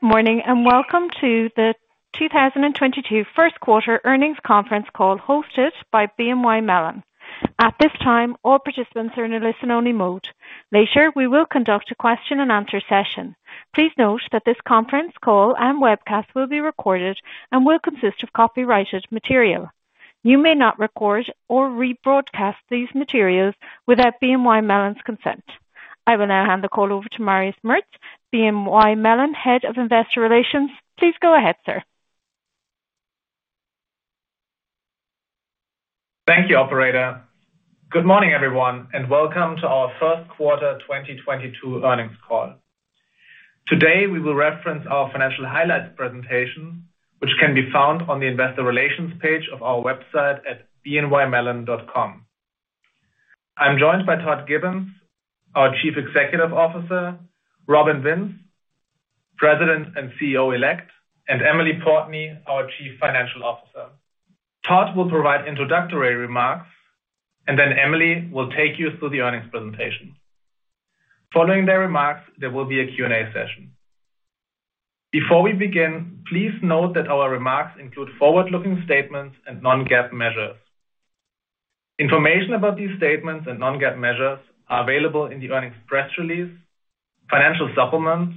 Good morning, and welcome to the 2022 first quarter earnings conference call hosted by BNY Mellon. At this time, all participants are in a listen-only mode. Later, we will conduct a question-and-answer session. Please note that this conference call and webcast will be recorded and will consist of copyrighted material. You may not record or rebroadcast these materials without BNY Mellon's consent. I will now hand the call over to Marius Merz, BNY Mellon Head of Investor Relations. Please go ahead, sir. Thank you, operator. Good morning, everyone, and welcome to our first quarter 2022 earnings call. Today, we will reference our financial highlights presentation, which can be found on the investor relations page of our website at bnymellon.com. I'm joined by Todd Gibbons, our Chief Executive Officer, Robin Vince, President and CEO-Elect, and Emily Portney, our Chief Financial Officer. Todd will provide introductory remarks, and then Emily will take you through the earnings presentation. Following their remarks, there will be a Q&A session. Before we begin, please note that our remarks include forward-looking statements and non-GAAP measures. Information about these statements and non-GAAP measures are available in the earnings press release, financial supplements,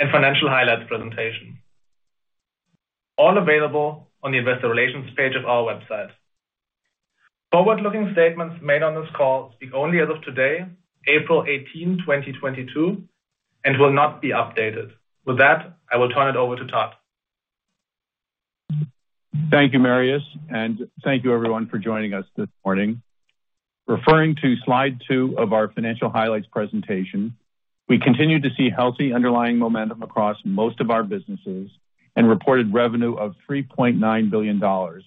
and financial highlights presentation, all available on the investor relations page of our website. Forward-looking statements made on this call speak only as of today, April 18, 2022, and will not be updated. With that, I will turn it over to Todd. Thank you, Marius, and thank you everyone for joining us this morning. Referring to slide two of our financial highlights presentation, we continue to see healthy underlying momentum across most of our businesses and reported revenue of $3.9 billion,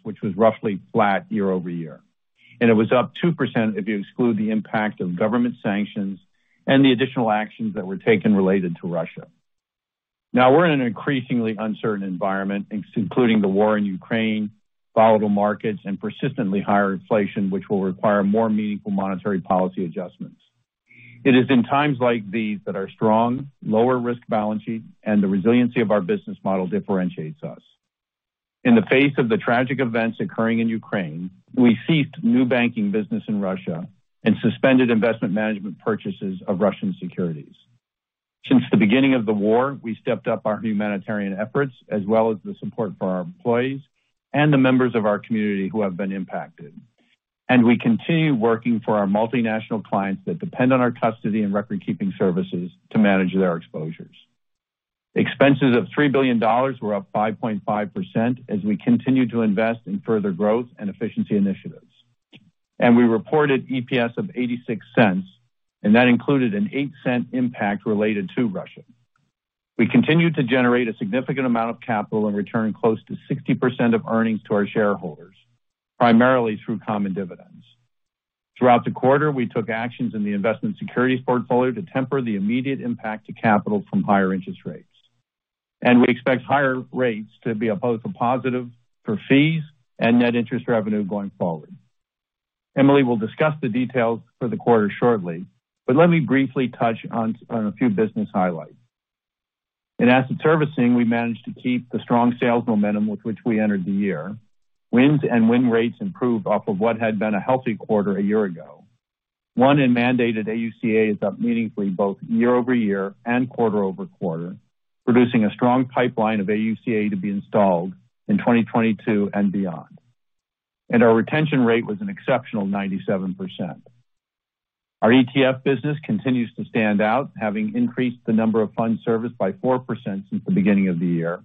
which was roughly flat year-over-year. It was up 2% if you exclude the impact of government sanctions and the additional actions that were taken related to Russia. Now, we're in an increasingly uncertain environment, including the war in Ukraine, volatile markets, and persistently higher inflation, which will require more meaningful monetary policy adjustments. It is in times like these that our strong, lower-risk balance sheet and the resiliency of our business model differentiates us. In the face of the tragic events occurring in Ukraine, we ceased new banking business in Russia and suspended investment management purchases of Russian securities. Since the beginning of the war, we stepped up our humanitarian efforts as well as the support for our employees and the members of our community who have been impacted. We continue working for our multinational clients that depend on our custody and record-keeping services to manage their exposures. Expenses of $3 billion were up 5.5% as we continue to invest in further growth and efficiency initiatives. We reported EPS of $0.86, and that included an $0.08 impact related to Russia. We continued to generate a significant amount of capital and return close to 60% of earnings to our shareholders, primarily through common dividends. Throughout the quarter, we took actions in the investment securities portfolio to temper the immediate impact to capital from higher interest rates. We expect higher rates to be both a positive for fees and net interest revenue going forward. Emily will discuss the details for the quarter shortly, but let me briefly touch on a few business highlights. In asset servicing, we managed to keep the strong sales momentum with which we entered the year. Wins and win rates improved off of what had been a healthy quarter a year ago. Won and mandated AUCA is up meaningfully both year-over-year and quarter-over-quarter, producing a strong pipeline of AUCA to be installed in 2022 and beyond. Our retention rate was an exceptional 97%. Our ETF business continues to stand out, having increased the number of funds serviced by 4% since the beginning of the year,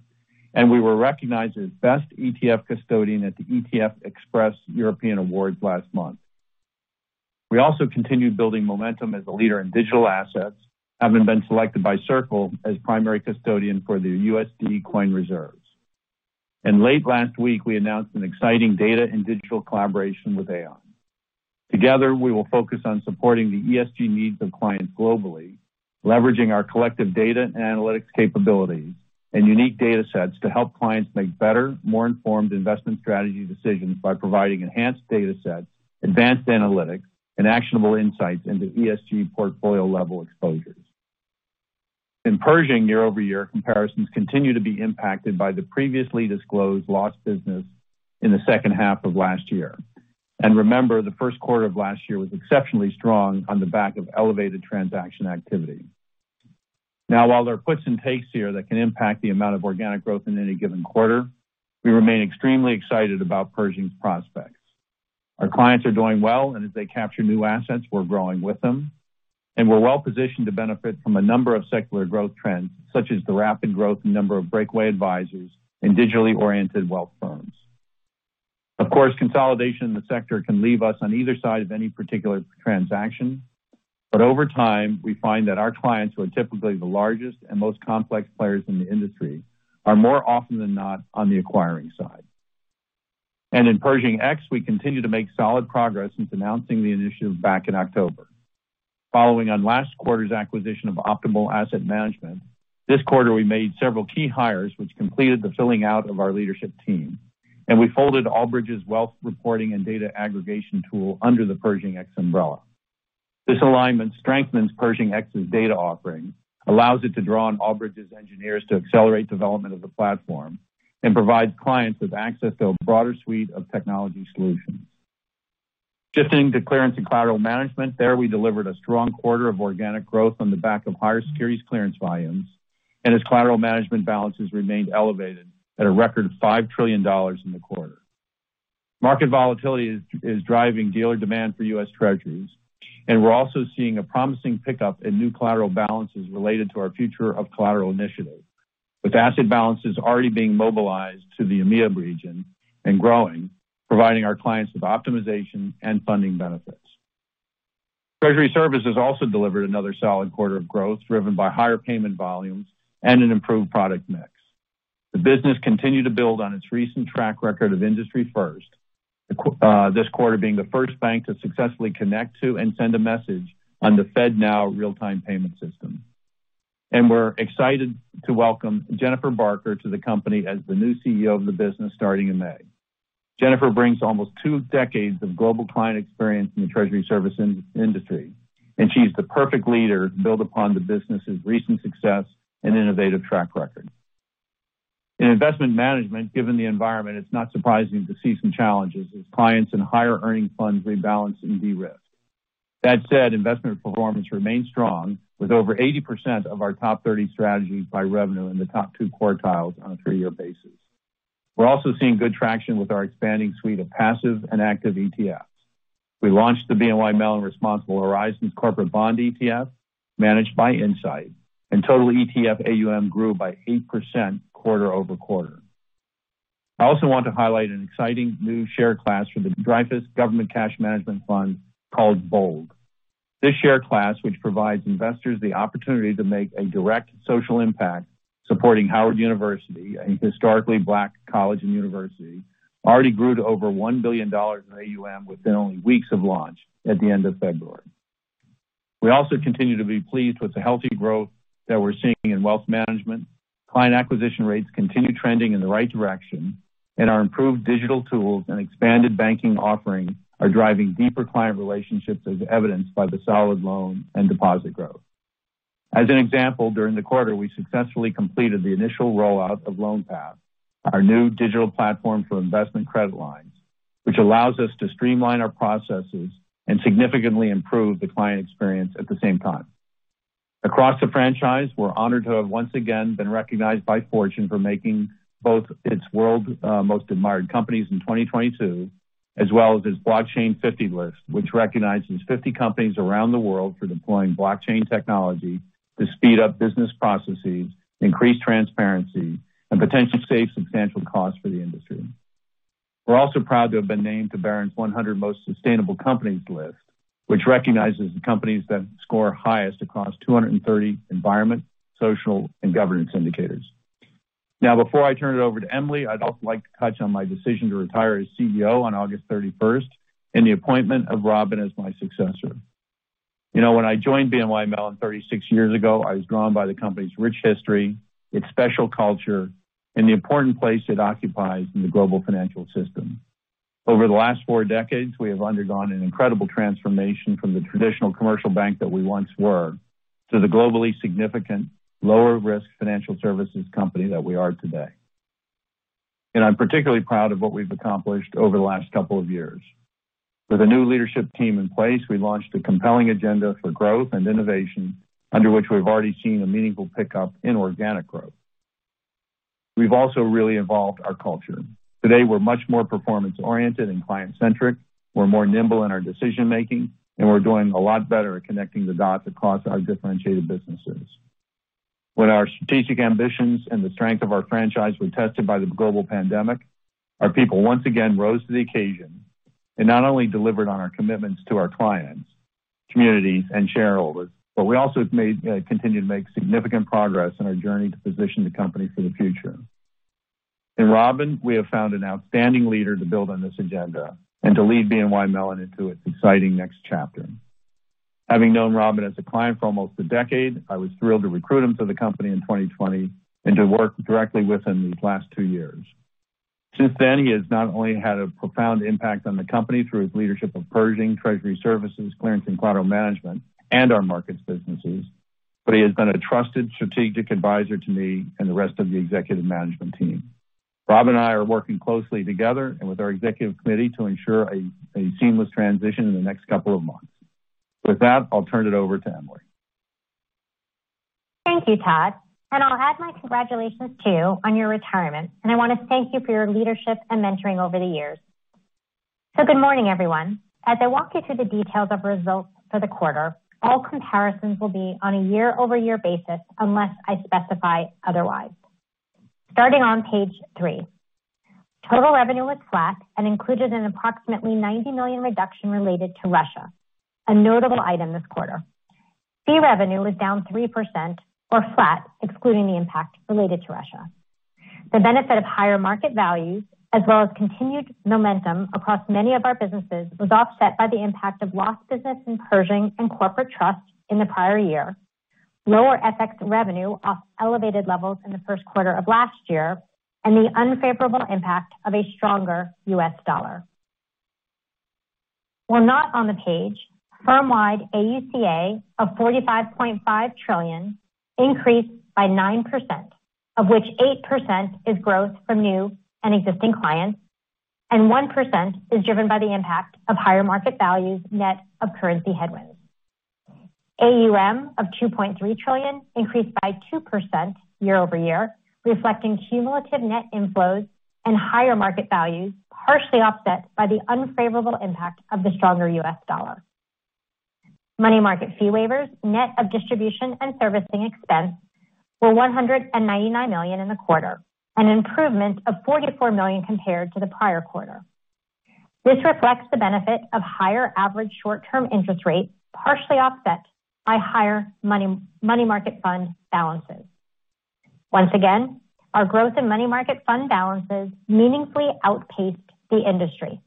and we were recognized as best ETF custodian at the ETF Express European Awards last month. We also continued building momentum as a leader in digital assets, having been selected by Circle as primary custodian for the USD Coin reserves. Late last week, we announced an exciting data and digital collaboration with Aon. Together, we will focus on supporting the ESG needs of clients globally, leveraging our collective data and analytics capabilities and unique data sets to help clients make better, more informed investment strategy decisions by providing enhanced data sets, advanced analytics, and actionable insights into ESG portfolio-level exposures. In Pershing, year-over-year comparisons continue to be impacted by the previously disclosed lost business in the second half of last year. Remember, the first quarter of last year was exceptionally strong on the back of elevated transaction activity. Now, while there are puts and takes here that can impact the amount of organic growth in any given quarter, we remain extremely excited about Pershing's prospects. Our clients are doing well, and as they capture new assets, we're growing with them. We're well-positioned to benefit from a number of secular growth trends, such as the rapid growth in number of breakaway advisors and digitally-oriented wealth firms. Of course, consolidation in the sector can leave us on either side of any particular transaction. Over time, we find that our clients, who are typically the largest and most complex players in the industry, are more often than not on the acquiring side. In Pershing X, we continue to make solid progress since announcing the initiative back in October. Following on last quarter's acquisition of Optimal Asset Management, this quarter we made several key hires, which completed the filling out of our leadership team. We folded Albridge's wealth reporting and data aggregation tool under the Pershing X umbrella. This alignment strengthens Pershing X's data offering, allows it to draw on Albridge's engineers to accelerate development of the platform, and provide clients with access to a broader suite of technology solutions. Shifting to Clearance and Collateral Management. There, we delivered a strong quarter of organic growth on the back of higher securities clearance volumes, and as collateral management balances remained elevated at a record $5 trillion in the quarter. Market volatility is driving dealer demand for U.S. Treasuries, and we're also seeing a promising pickup in new collateral balances related to our future of collateral initiatives, with asset balances already being mobilized to the EMEA region and growing, providing our clients with optimization and funding benefits. Treasury Services has also delivered another solid quarter of growth, driven by higher payment volumes and an improved product mix. The business continued to build on its recent track record of industry firsts, this quarter being the first bank to successfully connect to and send a message on the FedNow real-time payment system. We're excited to welcome Jennifer Barker to the company as the new CEO of the business starting in May. Jennifer brings almost two decades of global client experience in the Treasury Services industry, and she's the perfect leader to build upon the business' recent success and innovative track record. In investment management, given the environment, it's not surprising to see some challenges as clients in higher-yielding funds rebalance and de-risk. That said, investment performance remains strong, with over 80% of our top 30 strategies by revenue in the top two quartiles on a three-year basis. We're also seeing good traction with our expanding suite of passive and active ETFs. We launched the BNY Mellon Responsible Horizons Corporate Bond ETF, managed by Insight, and total ETF AUM grew by 8% quarter-over-quarter. I also want to highlight an exciting new share class for the Dreyfus Government Cash Management Fund called BOLD. This share class, which provides investors the opportunity to make a direct social impact supporting Howard University, a historically Black college and university, already grew to over $1 billion in AUM within only weeks of launch at the end of February. We also continue to be pleased with the healthy growth that we're seeing in wealth management. Client acquisition rates continue trending in the right direction, and our improved digital tools and expanded banking offerings are driving deeper client relationships as evidenced by the solid loan and deposit growth. As an example, during the quarter, we successfully completed the initial rollout of LoanPath, our new digital platform for investment credit lines, which allows us to streamline our processes and significantly improve the client experience at the same time. Across the franchise, we're honored to have once again been recognized by Fortune for making both its World's Most Admired Companies in 2022, as well as its Blockchain 50 list, which recognizes 50 companies around the world for deploying blockchain technology to speed up business processes, increase transparency, and potentially save substantial costs for the industry. We're also proud to have been named to Barron's 100 Most Sustainable Companies list, which recognizes the companies that score highest across 230 environment, social, and governance indicators. Now, before I turn it over to Emily, I'd also like to touch on my decision to retire as CEO on August 31 and the appointment of Robin as my successor. You know, when I joined BNY Mellon 36 years ago, I was drawn by the company's rich history, its special culture, and the important place it occupies in the global financial system. Over the last four decades, we have undergone an incredible transformation from the traditional commercial bank that we once were to the globally significant lower-risk financial services company that we are today. I'm particularly proud of what we've accomplished over the last couple of years. With a new leadership team in place, we launched a compelling agenda for growth and innovation, under which we've already seen a meaningful pickup in organic growth. We've also really evolved our culture. Today, we're much more performance-oriented and client-centric, we're more nimble in our decision-making, and we're doing a lot better at connecting the dots across our differentiated businesses. When our strategic ambitions and the strength of our franchise were tested by the global pandemic, our people once again rose to the occasion and not only delivered on our commitments to our clients, communities, and shareholders, but we also continue to make significant progress in our journey to position the company for the future. In Robin, we have found an outstanding leader to build on this agenda and to lead BNY Mellon into its exciting next chapter. Having known Robin as a client for almost a decade, I was thrilled to recruit him to the company in 2020 and to work directly with him these last two years. Since then, he has not only had a profound impact on the company through his leadership of Pershing, Treasury Services, Clearance and Collateral Management, and our markets businesses, but he has been a trusted strategic advisor to me and the rest of the executive management team. Robin and I are working closely together and with our executive committee to ensure a seamless transition in the next couple of months. With that, I'll turn it over to Emily. Thank you, Todd, and I'll add my congratulations too on your retirement, and I want to thank you for your leadership and mentoring over the years. Good morning, everyone. As I walk you through the details of results for the quarter, all comparisons will be on a year-over-year basis unless I specify otherwise. Starting on page three. Total revenue was flat and included an approximately $90 million reduction related to Russia, a notable item this quarter. Fee revenue was down 3% or flat, excluding the impact related to Russia. The benefit of higher market values as well as continued momentum across many of our businesses was offset by the impact of lost business in Pershing and corporate trust in the prior year. Lower FX revenue off elevated levels in the first quarter of last year and the unfavorable impact of a stronger U.S. dollar. We're now on the page. Firmwide AUA of $45.5 trillion increased by 9%, of which 8% is growth from new and existing clients, and 1% is driven by the impact of higher market values net of currency headwinds. AUM of $2.3 trillion increased by 2% year-over-year, reflecting cumulative net inflows and higher market values, partially offset by the unfavorable impact of the stronger U.S. dollar. Money market fee waivers, net of distribution and servicing expense, were $199 million in the quarter, an improvement of $44 million compared to the prior quarter. This reflects the benefit of higher average short-term interest rates, partially offset by higher money market fund balances. Once again, our growth in money market fund balances meaningfully outpaced the industry.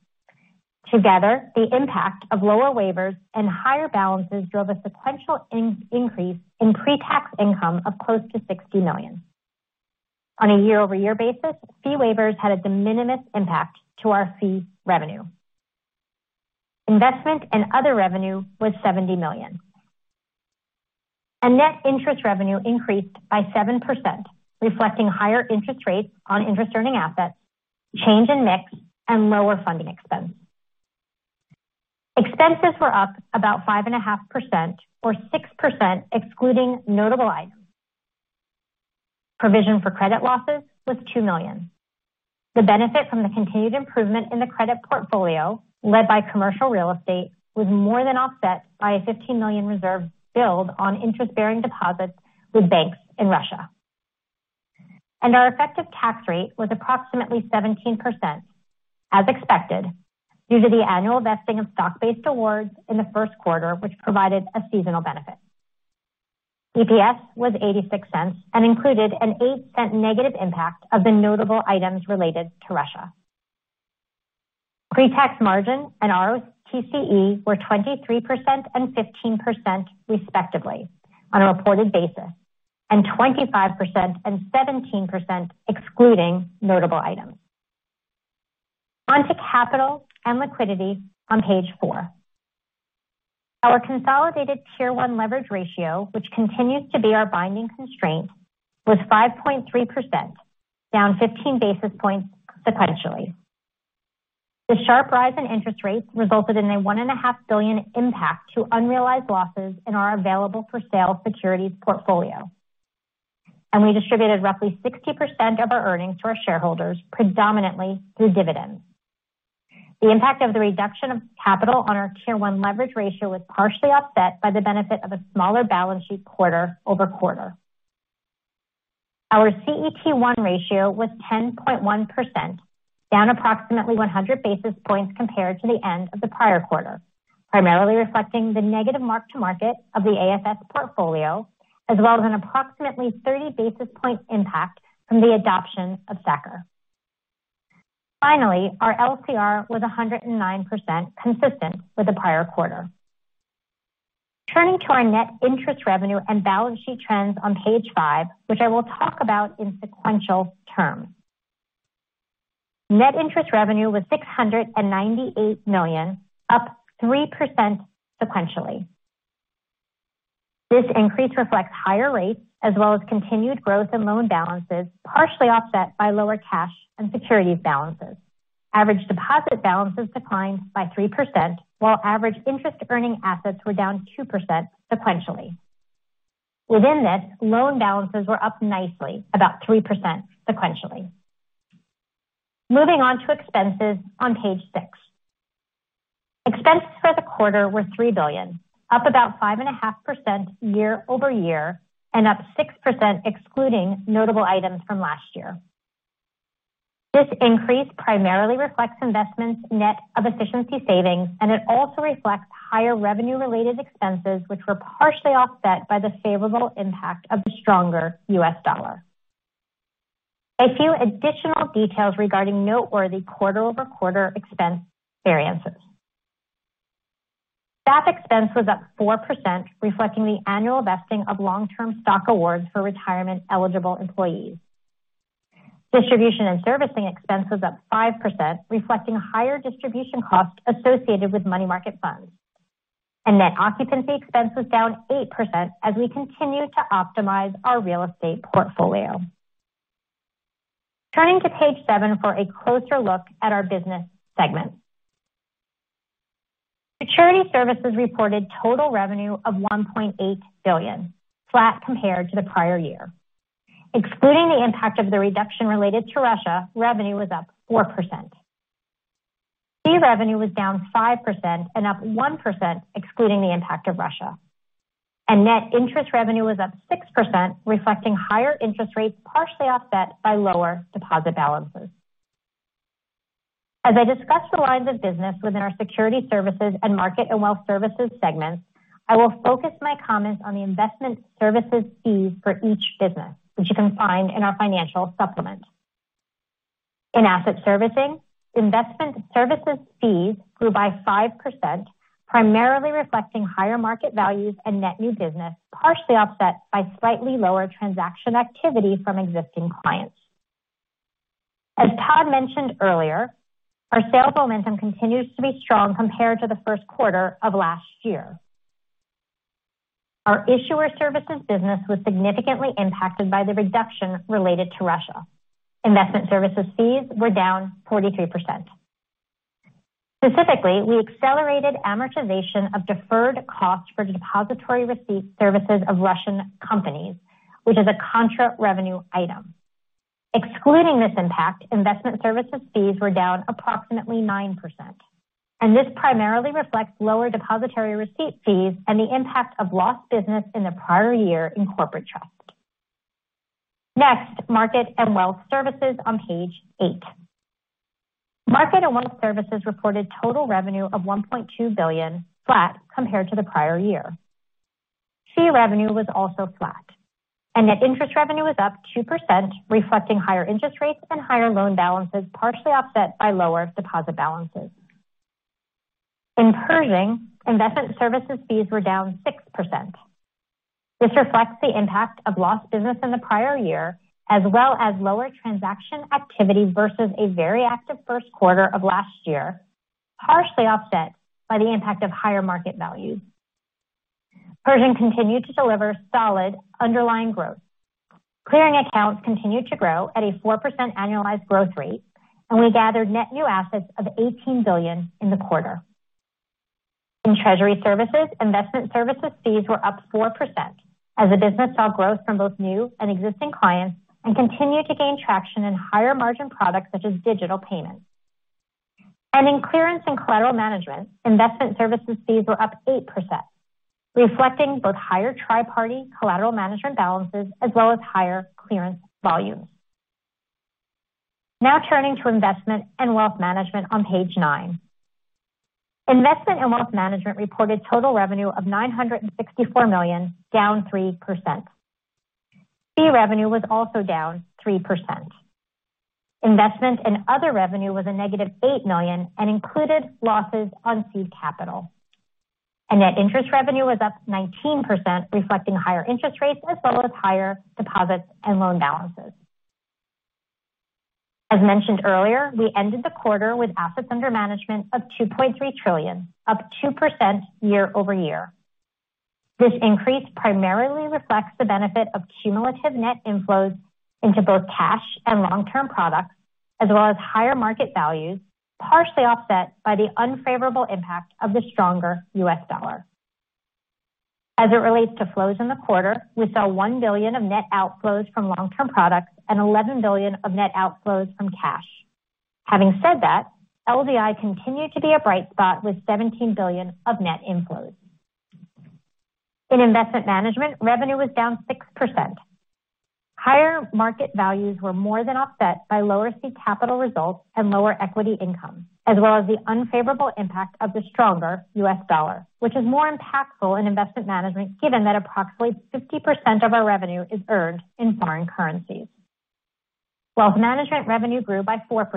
Together, the impact of lower waivers and higher balances drove a sequential increase in pre-tax income of close to $60 million. On a year-over-year basis, fee waivers had a de minimis impact to our fee revenue. Investment and other revenue was $70 million. Net interest revenue increased by 7%, reflecting higher interest rates on interest earning assets, change in mix, and lower funding expense. Expenses were up about 5.5% or 6% excluding notable items. Provision for credit losses was $2 million. The benefit from the continued improvement in the credit portfolio, led by commercial real estate, was more than offset by a $15 million reserve build on interest-bearing deposits with banks in Russia. Our effective tax rate was approximately 17% as expected due to the annual vesting of stock-based awards in the first quarter which provided a seasonal benefit. EPS was $0.86 and included an $0.08 negative impact of the notable items related to Russia. Pre-tax margin and ROTCE were 23% and 15% respectively on a reported basis, and 25% and 17% excluding notable items. Onto capital and liquidity on page 4. Our consolidated Tier One leverage ratio, which continues to be our binding constraint, was 5.3%, down 15 basis points sequentially. The sharp rise in interest rates resulted in a $1.5 billion impact to unrealized losses in our available-for-sale securities portfolio. We distributed roughly 60% of our earnings to our shareholders, predominantly through dividends. The impact of the reduction of capital on our Tier One leverage ratio was partially offset by the benefit of a smaller balance sheet quarter over quarter. Our CET1 ratio was 10.1%, down approximately 100 basis points compared to the end of the prior quarter, primarily reflecting the negative mark-to-market of the AFS portfolio as well as an approximately 30 basis point impact from the adoption of SA-CCR. Finally, our LCR was 109% consistent with the prior quarter. Turning to our net interest revenue and balance sheet trends on page five, which I will talk about in sequential terms. Net interest revenue was $698 million, up 3% sequentially. This increase reflects higher rates as well as continued growth in loan balances, partially offset by lower cash and securities balances. Average deposit balances declined by 3%, while average interest earning assets were down 2% sequentially. Within this, loan balances were up nicely about 3% sequentially. Moving on to expenses on page six. Expenses for the quarter were $3 billion, up about 5.5% year-over-year and up 6% excluding notable items from last year. This increase primarily reflects investments net of efficiency savings, and it also reflects higher revenue-related expenses, which were partially offset by the favorable impact of the stronger U.S. dollar. A few additional details regarding noteworthy quarter-over-quarter expense variances. Staff expense was up 4%, reflecting the annual vesting of long-term stock awards for retirement-eligible employees. Distribution and servicing expense was up 5%, reflecting higher distribution costs associated with money market funds. Net occupancy expense was down 8% as we continue to optimize our real estate portfolio. Turning to page seven for a closer look at our business segment. Security Services reported total revenue of $1.8 billion, flat compared to the prior year. Excluding the impact of the reduction related to Russia, revenue was up 4%. Fee revenue was down 5% and up 1% excluding the impact of Russia. Net interest revenue was up 6%, reflecting higher interest rates partially offset by lower deposit balances. As I discuss the lines of business within our Security Services and Market and Wealth Services segments, I will focus my comments on the investment services fees for each business, which you can find in our financial supplement. In asset servicing, investment services fees grew by 5%, primarily reflecting higher market values and net new business, partially offset by slightly lower transaction activity from existing clients. As Todd mentioned earlier, our sales momentum continues to be strong compared to the first quarter of last year. Our issuer services business was significantly impacted by the reduction related to Russia. Investment Services fees were down 43%. Specifically, we accelerated amortization of deferred costs for depository receipt services of Russian companies, which is a contra revenue item. Excluding this impact, Investment Services fees were down approximately 9%, and this primarily reflects lower depository receipt fees and the impact of lost business in the prior year in corporate trust. Next, Market and Wealth Services on page 8. Market and Wealth Services reported total revenue of $1.2 billion flat compared to the prior year. Fee revenue was also flat, and net interest revenue was up 2%, reflecting higher interest rates and higher loan balances, partially offset by lower deposit balances. In Pershing, Investment Services fees were down 6%. This reflects the impact of lost business in the prior year, as well as lower transaction activity versus a very active first quarter of last year, partially offset by the impact of higher market value. Pershing continued to deliver solid underlying growth. Clearing accounts continued to grow at a 4% annualized growth rate, and we gathered net new assets of $18 billion in the quarter. In Treasury Services, investment services fees were up 4% as the business saw growth from both new and existing clients and continued to gain traction in higher margin products such as digital payments. In Clearance and Collateral Management, investment services fees were up 8%, reflecting both higher tri-party collateral management balances as well as higher clearance volumes. Now turning to investment and wealth management on page nine. Investment and wealth management reported total revenue of $964 million, down 3%. Fee revenue was also down 3%. Investment and other revenue was -$8 million and included losses on seed capital. Net interest revenue was up 19%, reflecting higher interest rates as well as higher deposits and loan balances. As mentioned earlier, we ended the quarter with assets under management of $2.3 trillion, up 2% year-over-year. This increase primarily reflects the benefit of cumulative net inflows into both cash and long-term products, as well as higher market values, partially offset by the unfavorable impact of the stronger U.S. dollar. As it relates to flows in the quarter, we saw $1 billion of net outflows from long-term products and $11 billion of net outflows from cash. Having said that, LDI continued to be a bright spot with $17 billion of net inflows. In Investment Management, revenue was down 6%. Higher market values were more than offset by lower seed capital results and lower equity income, as well as the unfavorable impact of the stronger U.S. dollar, which is more impactful in Investment Management, given that approximately 50% of our revenue is earned in foreign currencies. Wealth Management revenue grew by 4%,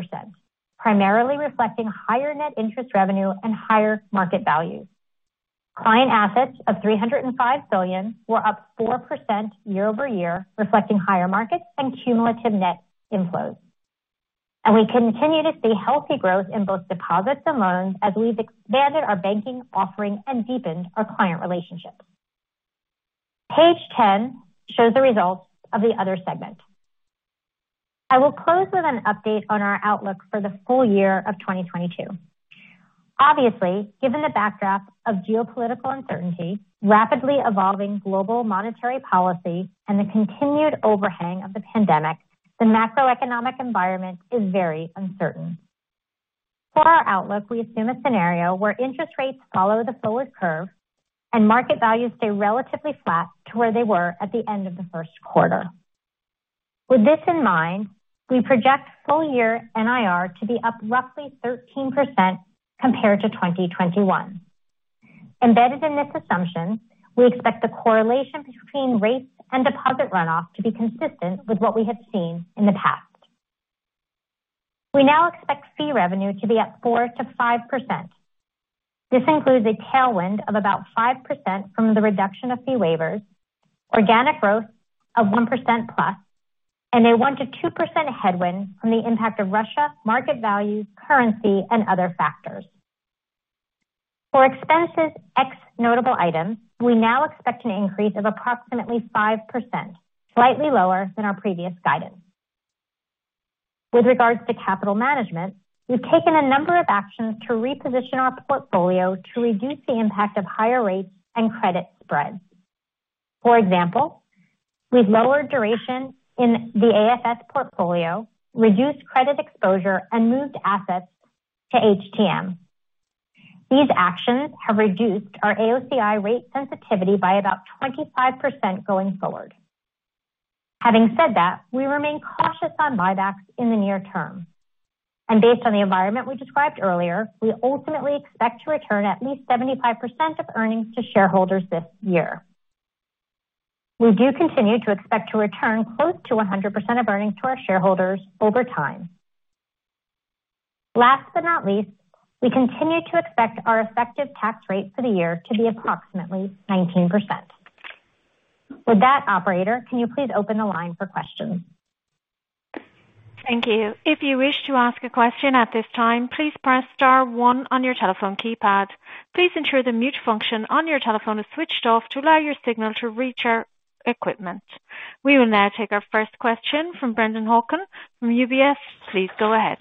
primarily reflecting higher net interest revenue and higher market values. Client assets of $305 billion were up 4% year-over-year, reflecting higher markets and cumulative net inflows. We continue to see healthy growth in both deposits and loans as we've expanded our banking offering and deepened our client relationships. Page 10 shows the results of the other segment. I will close with an update on our outlook for the full year of 2022. Obviously, given the backdrop of geopolitical uncertainty, rapidly evolving global monetary policy, and the continued overhang of the pandemic, the macroeconomic environment is very uncertain. For our outlook, we assume a scenario where interest rates follow the forward curve and market values stay relatively flat to where they were at the end of the first quarter. With this in mind, we project full year NIR to be up roughly 13% compared to 2021. Embedded in this assumption, we expect the correlation between rates and deposit runoff to be consistent with what we have seen in the past. We now expect fee revenue to be up 4%-5%. This includes a tailwind of about 5% from the reduction of fee waivers, organic growth of 1% plus, and a 1%-2% headwind from the impact of Russia, market values, currency, and other factors. For expenses ex notable items, we now expect an increase of approximately 5%, slightly lower than our previous guidance. With regards to capital management, we've taken a number of actions to reposition our portfolio to reduce the impact of higher rates and credit spreads. For example, we've lowered duration in the AFS portfolio, reduced credit exposure, and moved assets to HTM. These actions have reduced our AOCI rate sensitivity by about 25% going forward. Having said that, we remain cautious on buybacks in the near term. Based on the environment we described earlier, we ultimately expect to return at least 75% of earnings to shareholders this year. We do continue to expect to return close to 100% of earnings to our shareholders over time. Last but not least, we continue to expect our effective tax rate for the year to be approximately 19%. With that, operator, can you please open the line for questions? Thank you. If you wish to ask a question at this time, please press star one on your telephone keypad. Please ensure the mute function on your telephone is switched off to allow your signal to reach our equipment. We will now take our first question from Brennan Hawken from UBS. Please go ahead.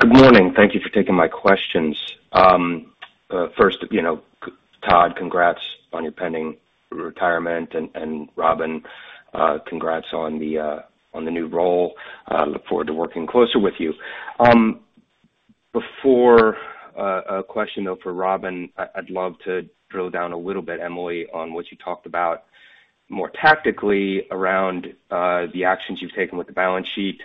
Good morning. Thank you for taking my questions. First, you know, Todd, congrats on your pending retirement. Robin, congrats on the new role. Look forward to working closer with you. Before a question, though for Robin. I'd love to drill down a little bit, Emily, on what you talked about more tactically around the actions you've taken with the balance sheet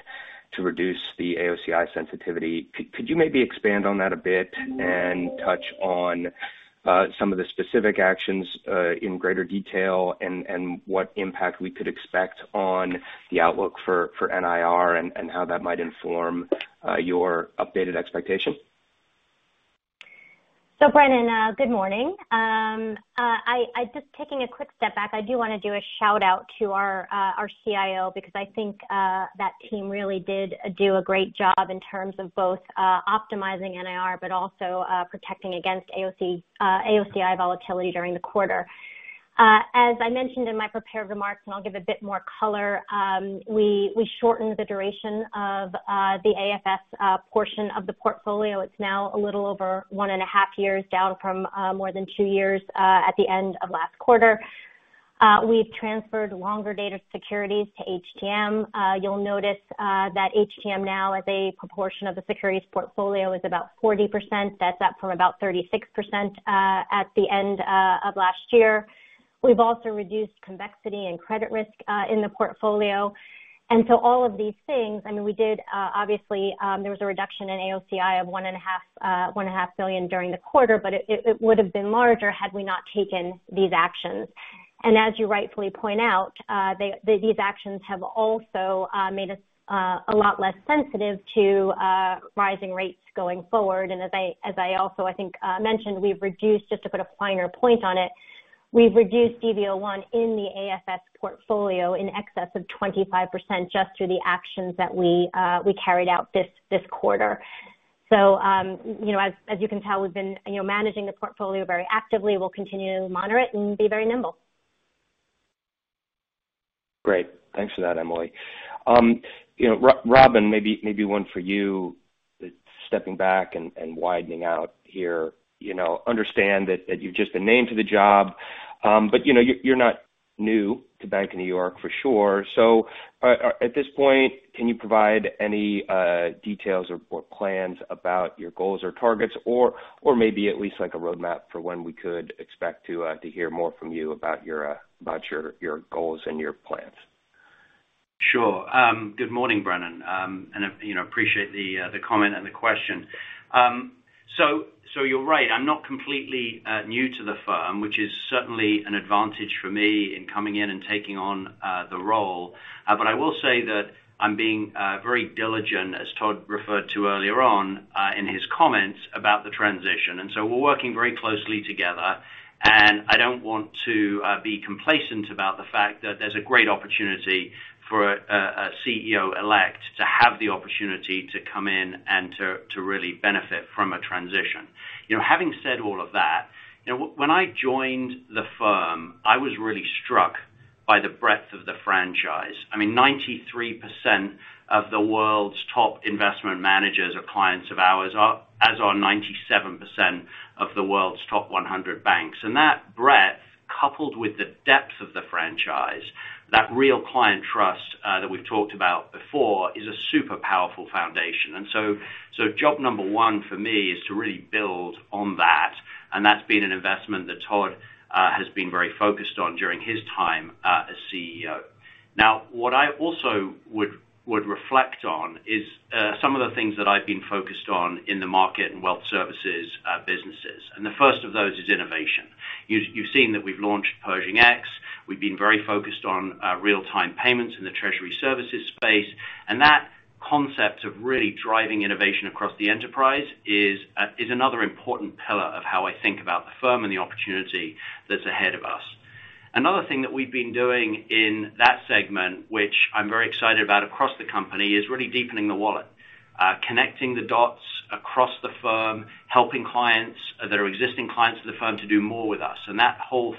to reduce the AOCI sensitivity. Could you maybe expand on that a bit and touch on some of the specific actions in greater detail and what impact we could expect on the outlook for NIR and how that might inform your updated expectation. Brennan Hawken, good morning. Just taking a quick step back, I do want to do a shout out to our CIO because I think that team really did do a great job in terms of both optimizing NIR, but also protecting against AOCI volatility during the quarter. As I mentioned in my prepared remarks, and I'll give a bit more color, we shortened the duration of the AFS portion of the portfolio. It's now a little over 1.5 years, down from more than 2 years at the end of last quarter. We've transferred longer dated securities to HTM. You'll notice that HTM now as a proportion of the securities portfolio is about 40%. That's up from about 36% at the end of last year. We've also reduced convexity and credit risk in the portfolio. All of these things, I mean, we did, obviously, there was a reduction in AOCI of $1.5 billion during the quarter, but it would have been larger had we not taken these actions. As you rightfully point out, these actions have also made us a lot less sensitive to rising rates going forward. As I also, I think, mentioned, we've reduced, just to put a finer point on it. We've reduced DV01 in the AFS portfolio in excess of 25% just through the actions that we carried out this quarter. you know, as you can tell, we've been, you know, managing the portfolio very actively. We'll continue to monitor it and be very nimble. Great. Thanks for that, Emily. You know, Robin, maybe one for you. Stepping back and widening out here. You know, understand that you've just been named to the job, but you know, you're not new to the Bank of New York Mellon for sure. At this point, can you provide any details or plans about your goals or targets or maybe at least like a roadmap for when we could expect to hear more from you about your goals and your plans? Sure. Good morning, Brennan, and, you know, I appreciate the comment and the question. So you're right, I'm not completely new to the firm, which is certainly an advantage for me in coming in and taking on the role. But I will say that I'm being very diligent, as Todd referred to earlier on in his comments about the transition. We're working very closely together, and I don't want to be complacent about the fact that there's a great opportunity for a CEO-Elect to have the opportunity to come in and to really benefit from a transition. You know, having said all of that, you know, when I joined the firm, I was really struck by the breadth of the franchise. I mean, 93% of the world's top investment managers are clients of ours, as are 97% of the world's top 100 banks. That breadth, coupled with the depth of the franchise, that real client trust that we've talked about before, is a super powerful foundation. Job number one for me is to really build on that. That's been an investment that Todd has been very focused on during his time as CEO. Now, what I also would reflect on is some of the things that I've been focused on in the market and wealth services businesses, and the first of those is innovation. You've seen that we've launched Pershing X. We've been very focused on real-time payments in the Treasury Services space. That concept of really driving innovation across the enterprise is another important pillar of how I think about the firm and the opportunity that's ahead of us. Another thing that we've been doing in that segment, which I'm very excited about across the company, is really deepening the wallet. Connecting the dots across the firm, helping clients that are existing clients of the firm to do more with us. That whole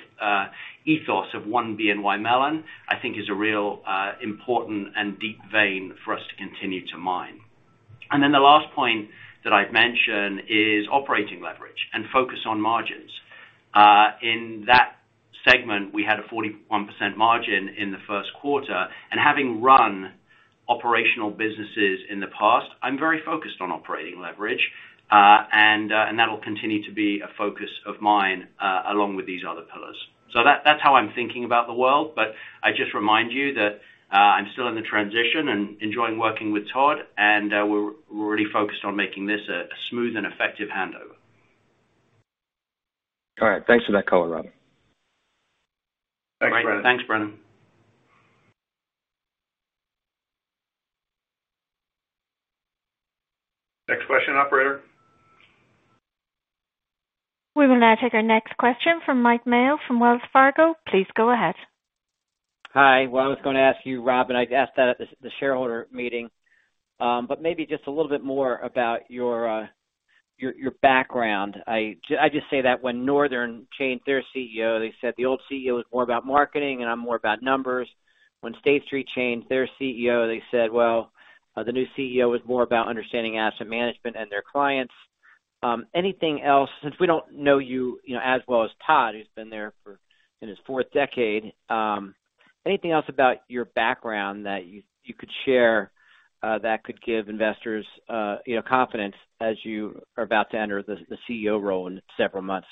ethos of one BNY Mellon, I think is a real important and deep vein for us to continue to mine. The last point that I'd mention is operating leverage and focus on margins. In that segment, we had a 41% margin in the first quarter. Having run operational businesses in the past, I'm very focused on operating leverage. That'll continue to be a focus of mine, along with these other things. That's how I'm thinking about the world. I just remind you that I'm still in the transition and enjoying working with Todd, and we're really focused on making this a smooth and effective handover. All right. Thanks for that color, Rob. Great. Thanks, Brennan. Thanks, Brennan. Next question, operator. We will now take our next question from Mike Mayo from Wells Fargo. Please go ahead. Hi. Well, I was gonna ask you, Robin, and I'd asked that at the shareholder meeting, but maybe just a little bit more about your background. I just say that when Northern changed their CEO, they said the old CEO was more about marketing, and I'm more about numbers. When State Street changed their CEO, they said, well, the new CEO was more about understanding asset management and their clients. Anything else, since we don't know you know, as well as Todd, who's been there for in his fourth decade. Anything else about your background that you could share, that could give investors, you know, confidence as you are about to enter the CEO role in several months?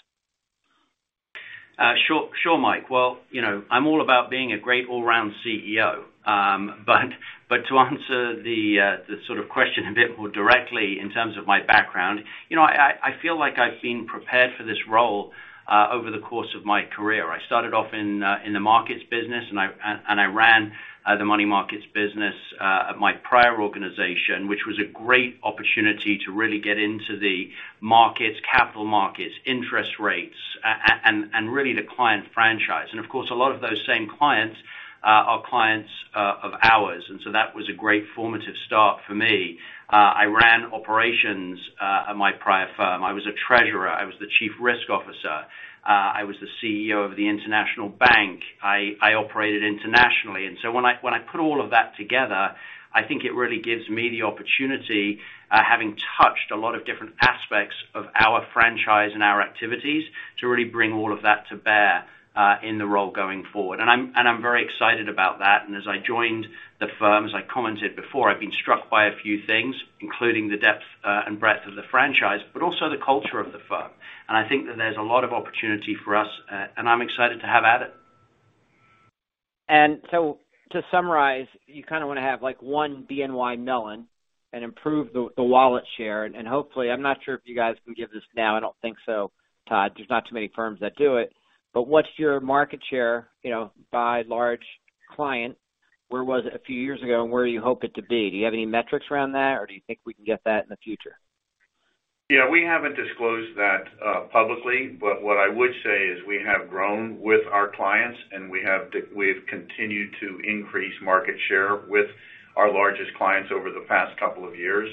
Sure, Mike. Well, you know, I'm all about being a great all-round CEO. To answer the sort of question a bit more directly in terms of my background. You know, I feel like I've been prepared for this role over the course of my career. I started off in the markets business, and I ran the money markets business at my prior organization, which was a great opportunity to really get into the markets, capital markets, interest rates, and really the client franchise. Of course, a lot of those same clients are clients of ours. That was a great formative start for me. I ran operations at my prior firm. I was a treasurer. I was the chief risk officer. I was the CEO of the international bank. I operated internationally. When I put all of that together, I think it really gives me the opportunity, having touched a lot of different aspects of our franchise and our activities to really bring all of that to bear, in the role going forward. I'm very excited about that. As I joined the firm, as I commented before, I've been struck by a few things, including the depth, and breadth of the franchise, but also the culture of the firm. I think that there's a lot of opportunity for us, and I'm excited to have at it. To summarize, you kind of wanna have like one BNY Mellon and improve the wallet share. Hopefully, I'm not sure if you guys can give this now. I don't think so, Todd. There's not too many firms that do it. But what's your market share, you know, by large client? Where was it a few years ago, and where do you hope it to be? Do you have any metrics around that, or do you think we can get that in the future? Yeah, we haven't disclosed that publicly, but what I would say is we have grown with our clients, and we've continued to increase market share with our largest clients over the past couple of years,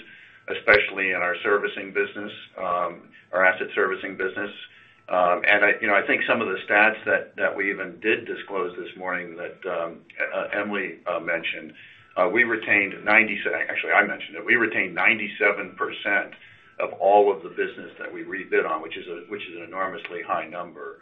especially in our servicing business, our asset servicing business. I, you know, I think some of the stats that we even did disclose this morning that Emily mentioned, we retained 97% of all of the business that we rebid on, which is an enormously high number.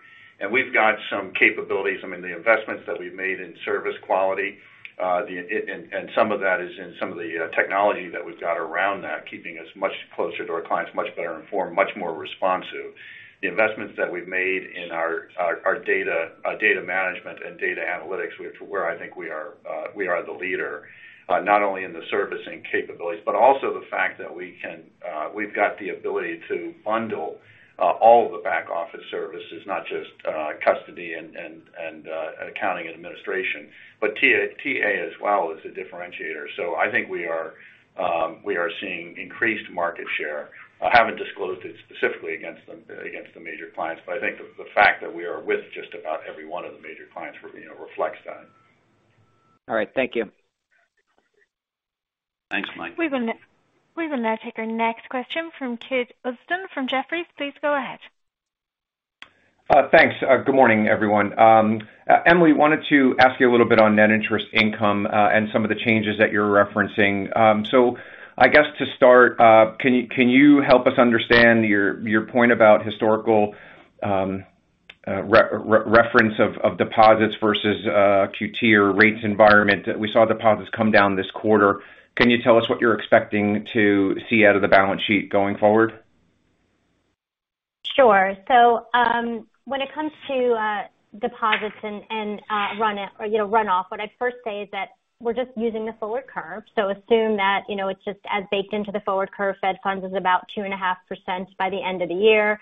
We've got some capabilities. I mean, the investments that we've made in service quality, and some of that is in the technology that we've got around that keeping us much closer to our clients, much better informed, much more responsive. The investments that we've made in our data management and data analytics, where I think we are the leader, not only in the servicing capabilities, but also the fact that we've got the ability to bundle all of the back office services, not just custody and accounting and administration. TA as well is a differentiator. I think we are seeing increased market share. I haven't disclosed it specifically against the major clients, but I think the fact that we are with just about every one of the major clients we're, you know, reflects that. All right. Thank you. Thanks, Mike. We will now take our next question from Ken Usdin from Jefferies. Please go ahead. Thanks. Good morning, everyone. Emily, I wanted to ask you a little bit on net interest income, and some of the changes that you're referencing. I guess to start, can you help us understand your point about historical reference of deposits versus QT or rates environment? We saw deposits come down this quarter. Can you tell us what you're expecting to see out of the balance sheet going forward? Sure. When it comes to deposits and runoff, what I'd first say is that we're just using the forward curve. Assume that it's just as baked into the forward curve. Fed funds is about 2.5% by the end of the year.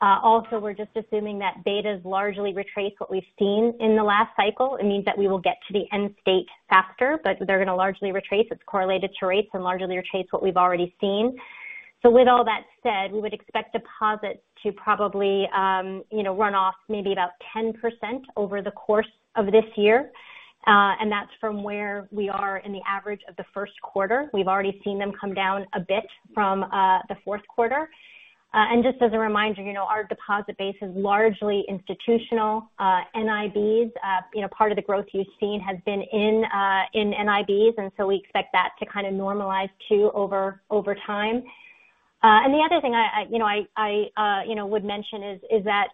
Also, we're just assuming that betas largely retrace what we've seen in the last cycle. It means that we will get to the end state faster, but they're gonna largely retrace. It's correlated to rates and largely retrace what we've already seen. With all that said, we would expect deposits to probably run off maybe about 10% over the course of this year. That's from where we are in the average of the first quarter. We've already seen them come down a bit from the fourth quarter. Just as a reminder, you know, our deposit base is largely institutional, NIBs. You know, part of the growth you've seen has been in NIBs, and so we expect that to kind of normalize too over time. The other thing I would mention is that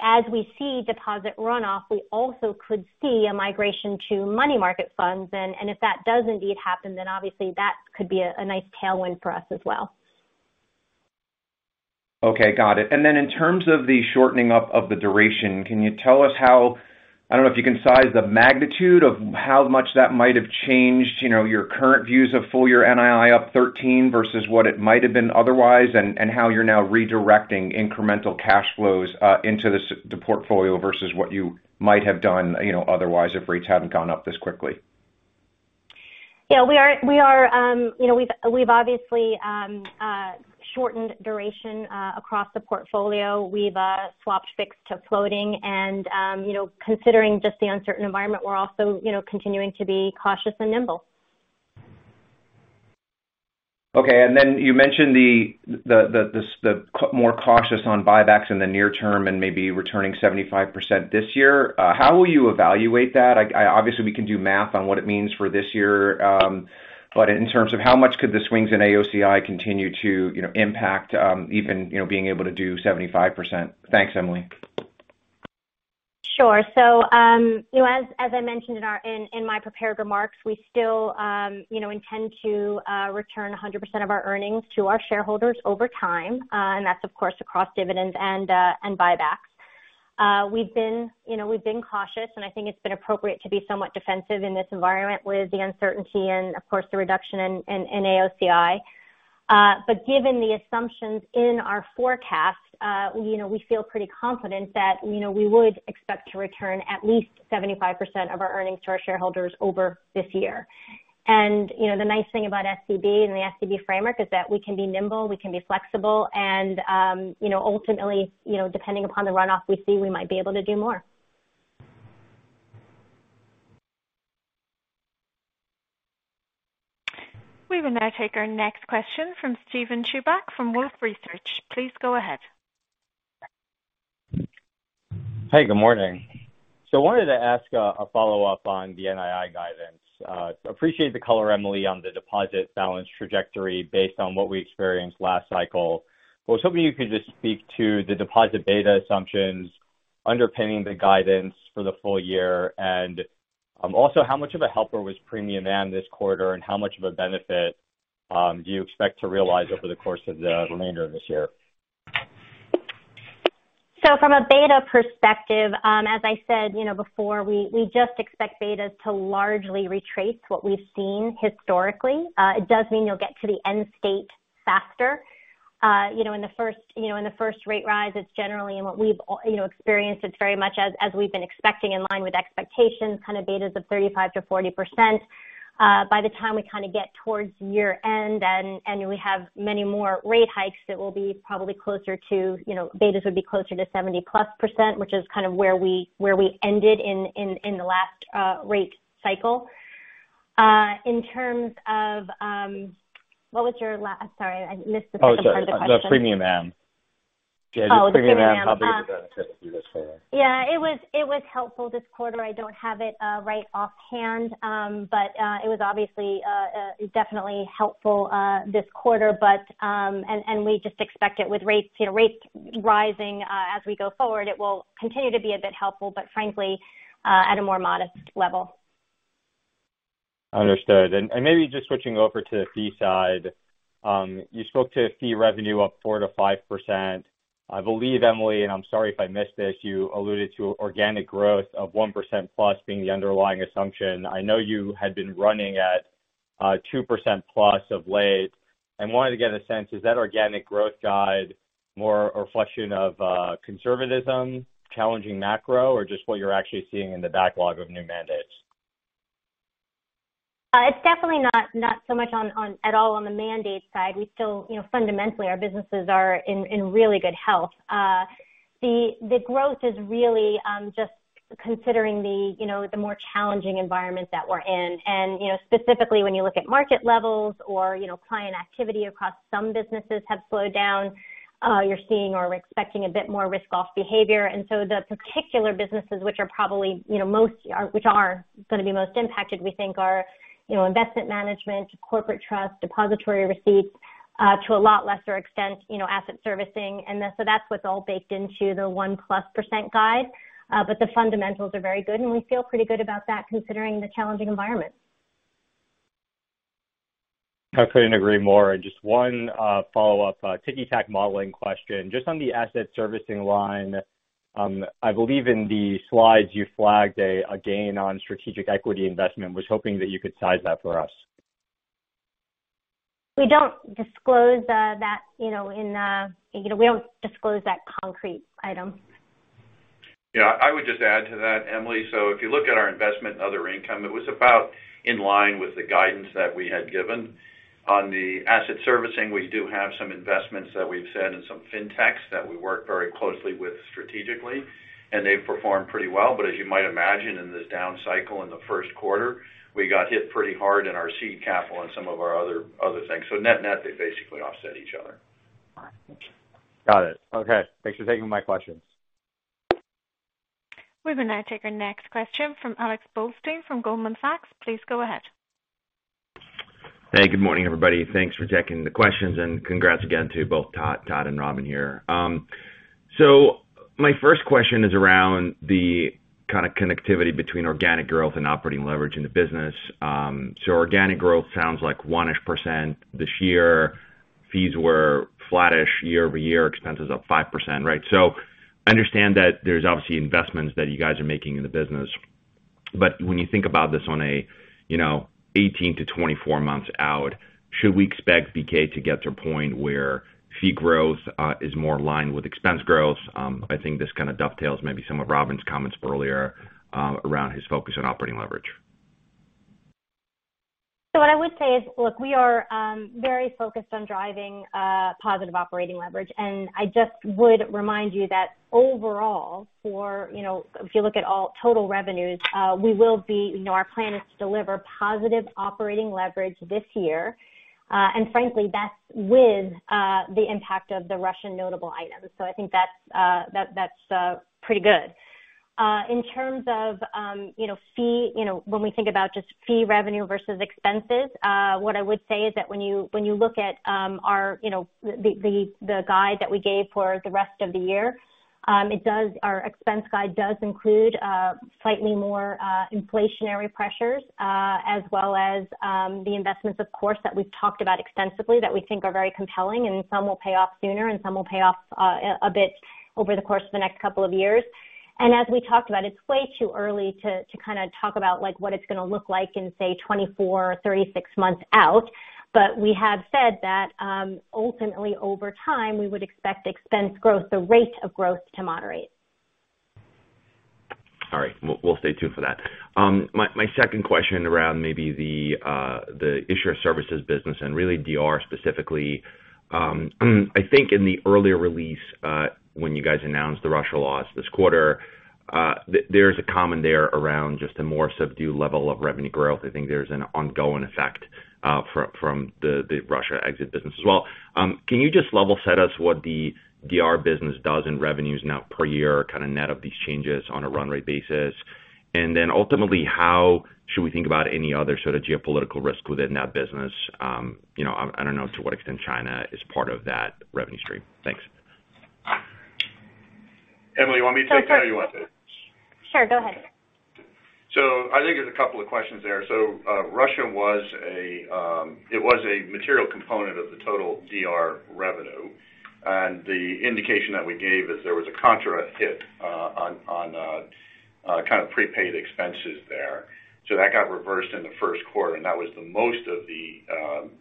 as we see deposit runoff, we also could see a migration to money market funds. If that does indeed happen, then obviously that could be a nice tailwind for us as well. Okay. Got it. In terms of the shortening up of the duration, can you tell us how I don't know if you can size the magnitude of how much that might have changed, you know, your current views of full-year NII up 13% versus what it might have been otherwise, and how you're now redirecting incremental cash flows into the portfolio versus what you might have done, you know, otherwise if rates hadn't gone up this quickly? Yeah, we are, you know, we've obviously shortened duration across the portfolio. We've swapped fixed to floating and, you know, considering just the uncertain environment, we're also, you know, continuing to be cautious and nimble. Okay. Then you mentioned more cautious on buybacks in the near term and maybe returning 75% this year. How will you evaluate that? Obviously we can do math on what it means for this year, but in terms of how much could the swings in AOCI continue to, you know, impact even, you know, being able to do 75%? Thanks, Emily. Sure. You know, as I mentioned in my prepared remarks, we still you know intend to return 100% of our earnings to our shareholders over time. That's of course across dividends and buybacks. We've been you know cautious, and I think it's been appropriate to be somewhat defensive in this environment with the uncertainty and of course, the reduction in AOCI. Given the assumptions in our forecast, you know, we feel pretty confident that you know we would expect to return at least 75% of our earnings to our shareholders over this year. You know, the nice thing about SCB and the SCB framework is that we can be nimble, we can be flexible, and you know, ultimately, you know, depending upon the runoff we see, we might be able to do more. We will now take our next question from Steven Chubak from Wolfe Research. Please go ahead. Hey, good morning. I wanted to ask a follow-up on the NII guidance. Appreciate the color, Emily, on the deposit balance trajectory based on what we experienced last cycle. I was hoping you could just speak to the deposit beta assumptions underpinning the guidance for the full year. Also how much of a helper was premium amortization this quarter, and how much of a benefit do you expect to realize over the course of the remainder of this year? From a beta perspective, as I said, you know before, we just expect betas to largely retrace what we've seen historically. It does mean you'll get to the end state faster. You know, in the first rate rise, it's generally and what we've experienced it's very much as we've been expecting in line with expectations, kind of betas of 35%-40%. By the time we kind of get towards year-end and we have many more rate hikes, it will be probably closer to, you know, betas would be closer to 70%+, which is kind of where we ended in the last rate cycle. In terms of. Sorry, I missed the second part of the question. Oh, sure. The premium amortization. Oh, the premium amortization. Yeah. Just premium amortization, how big is that typically this quarter? Yeah, it was helpful this quarter. I don't have it right offhand. It was obviously, definitely helpful this quarter. We just expect it with rates, you know, rates rising as we go forward. It will continue to be a bit helpful, but frankly, at a more modest level. Understood. Maybe just switching over to the fee side. You spoke to fee revenue up 4%-5%. I believe, Emily, and I'm sorry if I missed this, you alluded to organic growth of 1%+ being the underlying assumption. I know you had been running at 2%+ of late and wanted to get a sense, is that organic growth guide more a reflection of conservatism, challenging macro, or just what you're actually seeing in the backlog of new mandates? It's definitely not so much at all on the mandate side. We still, you know, fundamentally our businesses are in really good health. The growth is really just considering the more challenging environment that we're in. You know, specifically when you look at market levels or, you know, client activity across some businesses have slowed down, you're seeing or expecting a bit more risk-off behavior. The particular businesses which are probably, you know, gonna be most impacted, we think are, you know, Investment Management, Corporate Trust, Depository Receipts, to a lot lesser extent, you know, Asset Servicing. That's what's all baked into the 1% guide. The fundamentals are very good, and we feel pretty good about that considering the challenging environment. I couldn't agree more. Just one follow-up ticky-tack modeling question. Just on the asset servicing line, I believe in the slides you flagged a gain on strategic equity investment. Was hoping that you could size that for us. We don't disclose that concrete item. Yeah. I would just add to that, Emily. If you look at our investment and other income, it was about in line with the guidance that we had given. On the Asset Servicing, we do have some investments that we've said and some fintechs that we work very closely with strategically, and they've performed pretty well. As you might imagine in this down cycle in the first quarter, we got hit pretty hard in our seed capital and some of our other things. Net-net, they basically offset each other. Got it. Okay. Thanks for taking my questions. We will now take our next question from Alex Blostein from Goldman Sachs. Please go ahead. Hey, good morning, everybody. Thanks for taking the questions and congrats again to both Todd and Robin here. My first question is around the kind of connectivity between organic growth and operating leverage in the business. Organic growth sounds like 1%-ish this year. Fees were flattish year-over-year, expenses up 5%. Right? I understand that there's obviously investments that you guys are making in the business. When you think about this on a, you know, 18-24 months out, should we expect BK to get to a point where fee growth is more in line with expense growth? I think this kind of dovetails maybe some of Robin's comments earlier, around his focus on operating leverage. What I would say is, look, we are very focused on driving positive operating leverage. I just would remind you that overall, you know, if you look at all total revenues, our plan is to deliver positive operating leverage this year. Frankly, that's with the impact of the Russian notable items. I think that's pretty good. In terms of you know fee revenue versus expenses, what I would say is that when you look at our you know the guide that we gave for the rest of the year, our expense guide does include slightly more inflationary pressures as well as the investments of course that we've talked about extensively that we think are very compelling, and some will pay off sooner and some will pay off a bit over the course of the next couple of years. As we talked about, it's way too early to kinda talk about like what it's gonna look like in say 24 or 36 months out. We have said that, ultimately, over time, we would expect expense growth, the rate of growth to moderate. All right. We'll stay tuned for that. My second question around maybe the issuer services business and really DR specifically. I think in the earlier release, when you guys announced the Russia loss this quarter, there's a comment there around just a more subdued level of revenue growth. I think there's an ongoing effect from the Russia exit business as well. Can you just level set us what the DR business does in revenues now per year, kind of net of these changes on a run rate basis? Ultimately, how should we think about any other sort of geopolitical risk within that business? You know, I don't know to what extent China is part of that revenue stream. Thanks. Emily, you want me to take a crack at it? Sure, go ahead. I think there's a couple of questions there. Russia was a material component of the total DR revenue. The indication that we gave is there was a contra hit on kind of prepaid expenses there. That got reversed in the first quarter, and that was the most of the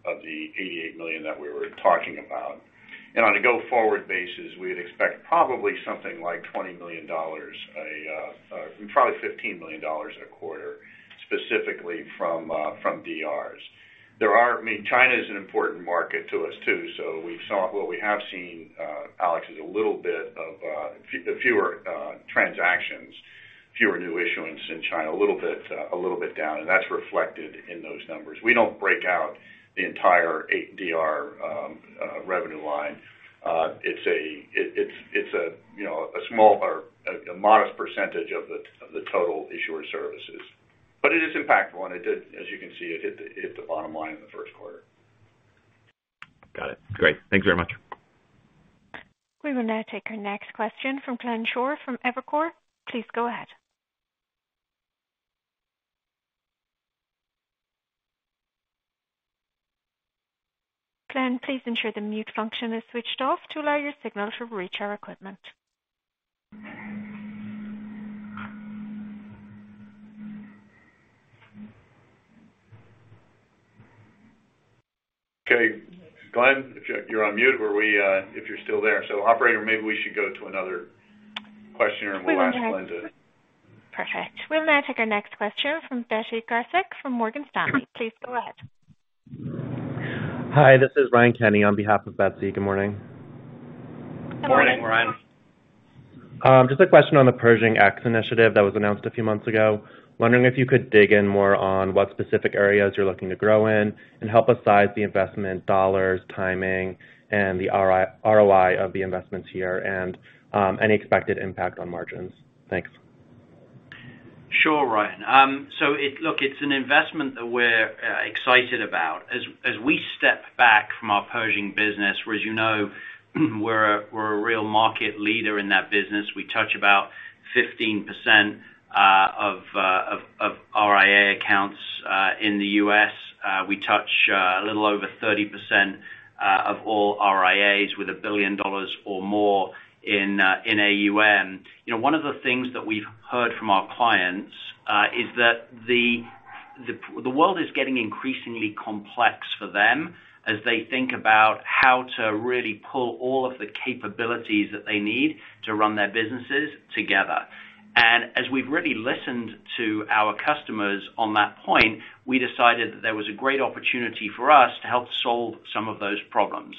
$88 million that we were talking about. On a go-forward basis, we'd expect probably something like $20 million, probably $15 million a quarter, specifically from DRs. I mean, China is an important market to us, too. What we have seen, Alex, is a little bit of fewer transactions, fewer new issuance in China, a little bit down, and that's reflected in those numbers. We don't break out the entire 8 DR revenue line. It's a small or a modest percentage of the total issuer services. It is impactful, and it did. As you can see, it hit the bottom line in the first quarter. Got it. Great. Thanks very much. We will now take our next question from Glenn Schorr from Evercore. Please go ahead. Glenn, please ensure the mute function is switched off to allow your signal to reach our equipment. Okay, Glenn, if you're on mute, if you're still there. Operator, maybe we should go to another question, and we'll ask Glenn to- Perfect. We'll now take our next question from Betsy Graseck from Morgan Stanley. Please go ahead. Hi, this is Ryan Kenny on behalf of Betsy. Good morning. Morning, Ryan. Good morning. Just a question on the Pershing X initiative that was announced a few months ago. Wondering if you could dig in more on what specific areas you're looking to grow in and help us size the investment dollars, timing, and the ROI of the investments here and any expected impact on margins. Thanks. Sure, Ryan. Look, it's an investment that we're excited about. As we step back from our Pershing business, whereas, you know, we're a real market leader in that business. We touch about 15% of RIA accounts in the U.S. We touch a little over 30% of all RIAs with $1 billion or more in AUM. You know, one of the things that we've heard from our clients is that the p-world is getting increasingly complex for them as they think about how to really pull all of the capabilities that they need to run their businesses together. As we've really listened to our customers on that point, we decided that there was a great opportunity for us to help solve some of those problems.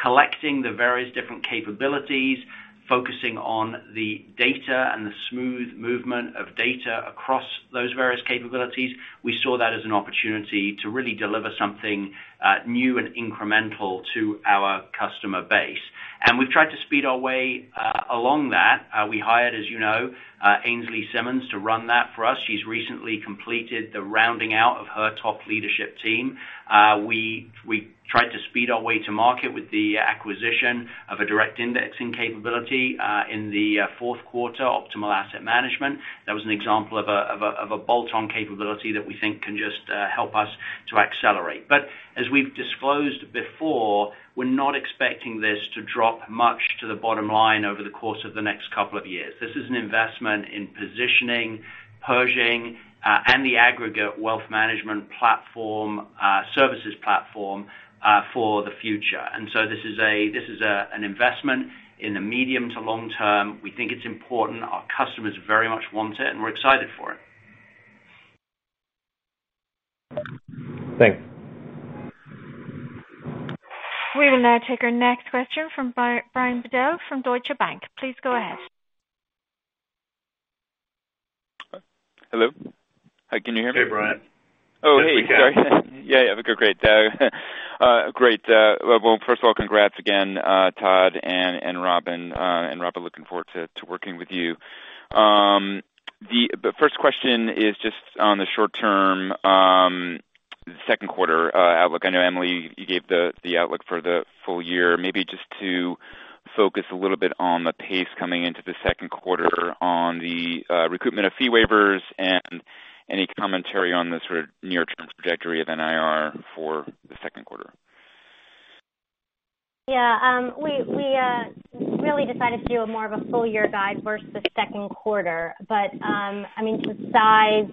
collecting the various different capabilities Focusing on the data and the smooth movement of data across those various capabilities, we saw that as an opportunity to really deliver something new and incremental to our customer base. We've tried to speed our way along that. We hired, as you know, Ainslie Simmonds to run that for us. She's recently completed the rounding out of her top leadership team. We tried to speed our way to market with the acquisition of a direct indexing capability in the fourth quarter, Optimal Asset Management. That was an example of a bolt-on capability that we think can just help us to accelerate. As we've disclosed before, we're not expecting this to drop much to the bottom line over the course of the next couple of years. This is an investment in positioning, Pershing, and the aggregate wealth management platform, services platform, for the future. This is an investment in the medium to long term. We think it's important. Our customers very much want it, and we're excited for it. Thanks. We will now take our next question from Brian Bedell from Deutsche Bank. Please go ahead. Hello? Hi, can you hear me? Hey, Brian. Oh, hey. Yes, we can. Sorry. Yeah. Great. Well, first of all, congrats again, Todd and Robin and Rob, looking forward to working with you. The first question is just on the short term, second quarter, outlook. I know, Emily, you gave the outlook for the full year. Maybe just to focus a little bit on the pace coming into the second quarter on the reduction of fee waivers and any commentary on the sort of near-term trajectory of NIR for the second quarter. Yeah, we really decided to do a more of a full year guide versus second quarter. I mean, to size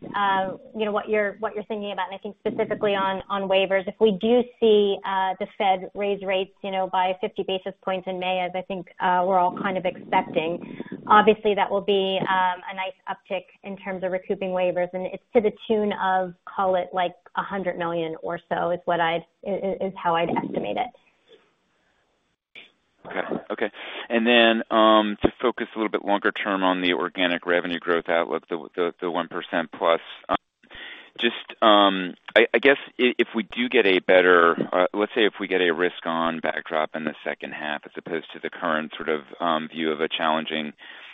you know what you're thinking about, and I think specifically on waivers, if we do see the Fed raise rates you know by 50 basis points in May, as I think we're all kind of expecting, obviously that will be a nice uptick in terms of recouping waivers, and it's to the tune of, call it like $100 million or so, is how I'd estimate it. Okay. To focus a little bit longer term on the organic revenue growth outlook, the 1% plus, just, I guess let's say if we get a risk on backdrop in the second half as opposed to the current sort of view of a challenging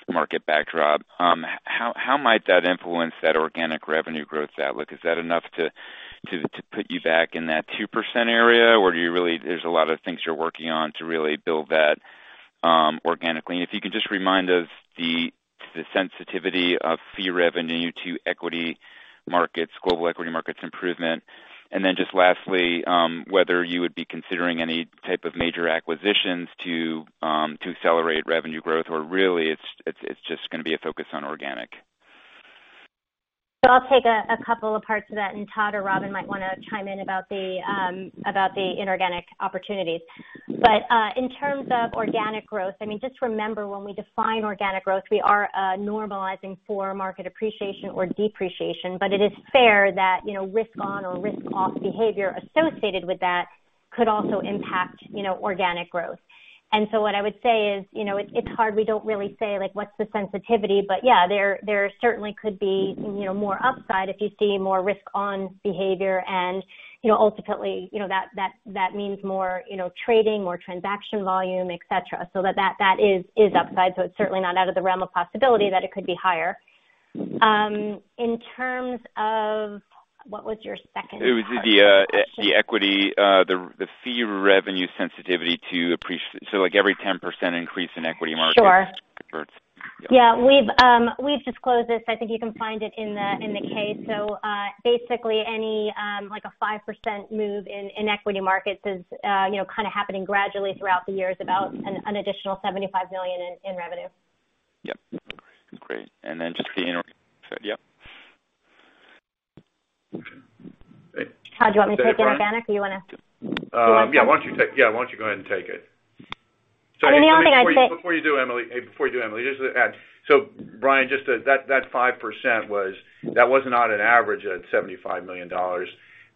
market backdrop, how might that influence that organic revenue growth outlook? Is that enough to put you back in that 2% area? Or do you really, there's a lot of things you're working on to really build that organically. If you could just remind us the sensitivity of fee revenue to equity markets, global equity markets improvement. Just lastly, whether you would be considering any type of major acquisitions to accelerate revenue growth or really it's just gonna be a focus on organic. I'll take a couple of parts of that, and Todd or Robin might wanna chime in about the inorganic opportunities. In terms of organic growth, I mean, just remember when we define organic growth, we are normalizing for market appreciation or depreciation, but it is fair that, you know, risk on or risk off behavior associated with that could also impact, you know, organic growth. What I would say is, you know, it's hard. We don't really say, like what's the sensitivity, but yeah, there certainly could be, you know, more upside if you see more risk on behavior and, you know, ultimately, you know, that means more, you know, trading, more transaction volume, et cetera. That is upside. It's certainly not out of the realm of possibility that it could be higher. What was your second part of the question? It was the equity fee revenue sensitivity to appreciation. Like every 10% increase in equity markets- Sure. Converts. Yeah. Yeah. We've disclosed this. I think you can find it in the K. Basically any like a 5% move in equity markets is you know kind of happening gradually throughout the years about an additional $75 million in revenue. Yeah. Great. Just the inorganic. Yeah. Todd, do you want me to take inorganic or you wanna? Yeah. Why don't you go ahead and take it? I mean, the only thing I'd say. Before you do, Emily, just to add. Brian, just that 5% was not an average at $75 million.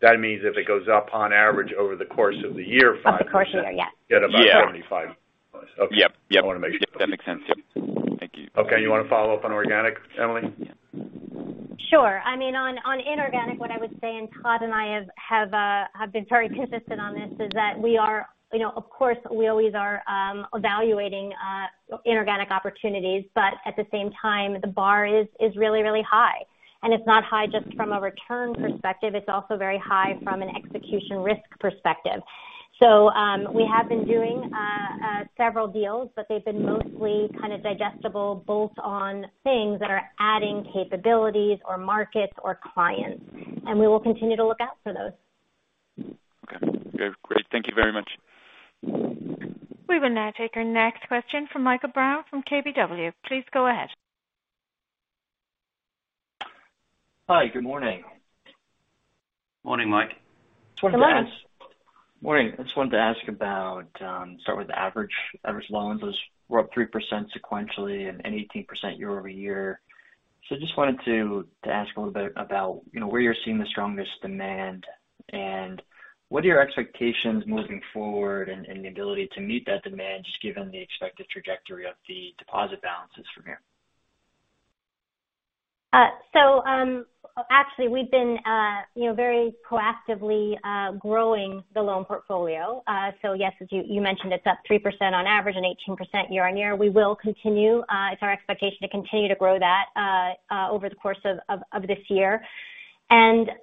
That means if it goes up on average over the course of the year 5%- Over the course of the year, yeah. You get about 75. Yeah. Okay. Yeah. I wanna make sure. That makes sense. Yeah. Thank you. Okay. You wanna follow up on organic, Emily? Sure. I mean, on inorganic, what I would say, and Todd and I have been very consistent on this, is that we are, you know, of course, we always are, evaluating inorganic opportunities, but at the same time, the bar is really high. It's not high just from a return perspective, it's also very high from an execution risk perspective. We have been doing several deals, but they've been mostly kind of digestible bolt-on things that are adding capabilities or markets or clients. We will continue to look out for those. Okay. Great. Thank you very much. We will now take our next question from Michael Brown from KBW. Please go ahead. Hi. Good morning. Morning, Mike. Hello. Morning. I just wanted to ask about starting with the average loans. Those were up 3% sequentially and 18% year-over-year. Just wanted to ask a little bit about, you know, where you're seeing the strongest demand and what your expectations are moving forward and the ability to meet that demand, just given the expected trajectory of the deposit balances from here. Actually we've been you know very proactively growing the loan portfolio. Yes, as you mentioned, it's up 3% on average and 18% year-over-year. We will continue. It's our expectation to continue to grow that over the course of this year.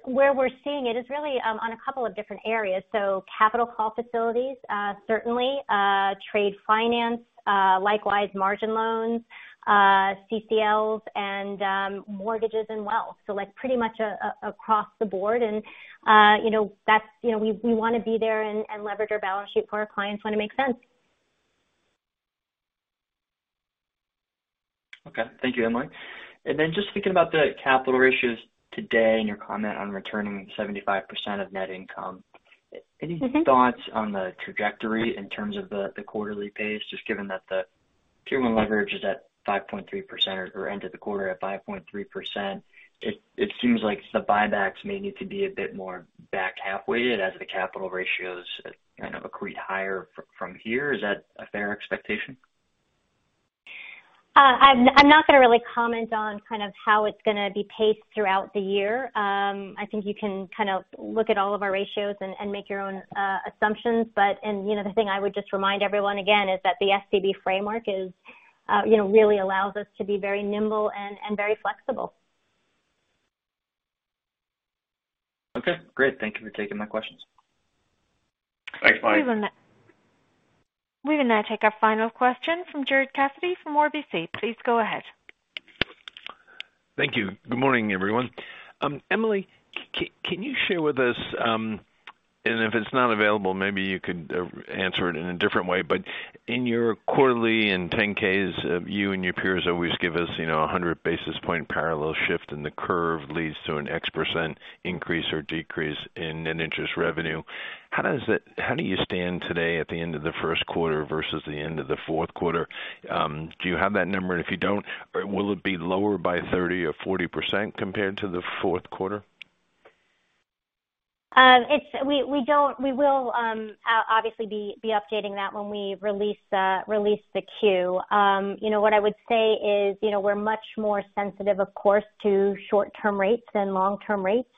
Where we're seeing it is really on a couple of different areas. Capital call facilities certainly, trade finance likewise, margin loans, CCLs, and mortgages and wealth. Like pretty much across the board and you know that's you know we wanna be there and leverage our balance sheet for our clients when it makes sense. Okay. Thank you, Emily. Just thinking about the capital ratios today and your comment on returning 75% of net income. Mm-hmm. Any thoughts on the trajectory in terms of the quarterly pace, just given that the Tier 1 leverage is at 5.3% or ended the quarter at 5.3%. It seems like the buybacks may need to be a bit more back half weighted as the capital ratios kind of accrete higher from here. Is that a fair expectation? I'm not gonna really comment on kind of how it's gonna be paced throughout the year. I think you can kind of look at all of our ratios and make your own assumptions. You know, the thing I would just remind everyone again is that the SCB framework really allows us to be very nimble and very flexible. Okay, great. Thank you for taking my questions. Thanks, bye. We will now take our final question from Gerard Cassidy from RBC. Please go ahead. Thank you. Good morning, everyone. Emily, can you share with us, and if it's not available, maybe you could answer it in a different way, but in your quarterly and 10-Ks, you and your peers always give us, you know, a 100 basis point parallel shift in the curve leads to an X% increase or decrease in net interest revenue. How do you stand today at the end of the first quarter versus the end of the fourth quarter? Do you have that number? If you don't, will it be lower by 30% or 40% compared to the fourth quarter? We don't. We will obviously be updating that when we release the Q. You know, what I would say is, you know, we're much more sensitive of course to short-term rates than long-term rates.